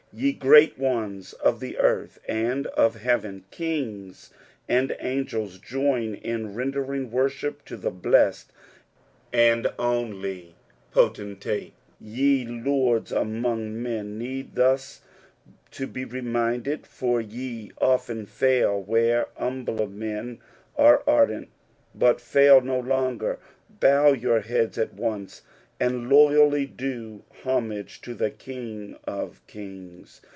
Ye great ones of earth aud of heaven, kings and angels, join in rendering worship to the blessed and onlj Potentate ; je lords among men need thus to be reminded, for ye often fail where humbler men are araent ; but fail no longer, bow your heads at once, and loyall; do homage to the King of kings.